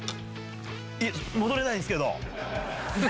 えっ、戻れないんですけど。